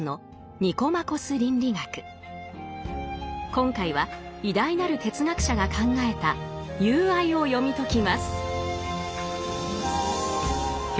今回は偉大なる哲学者が考えた「友愛」を読み解きます。